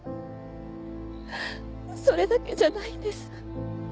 それだけじゃないんです。